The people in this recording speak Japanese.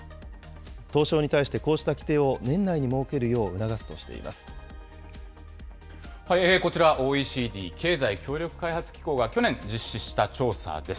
東証に対してこうした規定を年内こちら、ＯＥＣＤ・経済協力開発機構が去年実施した調査です。